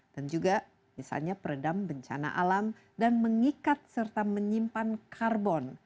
dan juga misalnya peredam bencana alam dan mengikat serta menyimpan